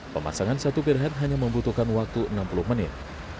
pemasangan satu pirhat hanya membutuhkan waktu enam puluh menit